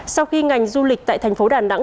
sau khi ngành du lịch tại tp đà nẵng